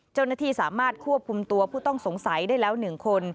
เจ้าหน้าที่สามารถควบคุมตัวผู้ต้องสงสัยได้แล้ว๑คน